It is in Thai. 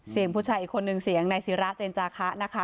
เสียงผู้ชายอีกคนหนึ่งเสียงในศิราเจนจาคะ